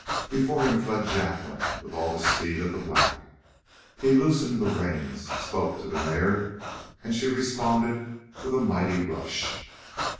Before him fled Jacqueline with all the speed of the black. He loosened the reins, spoke to the mare, and she responded with a mighty rush.